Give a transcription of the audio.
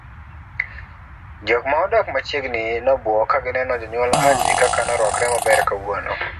jok ma odak machiegni nobuok kagineno jonyuol Haji kaka noruakre maber kawuono